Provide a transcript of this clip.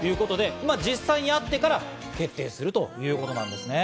実際に会ってから決定するということなんですね。